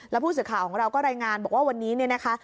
แล้วผู้สื่อข่าวของเราก็รายงานบอกว่าวันนี้เนี่ยนะคะ